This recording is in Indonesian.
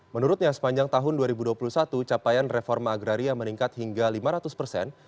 menurutnya sepanjang tahun dua ribu dua puluh satu capaian reforma agraria meningkat hingga lima ratus persen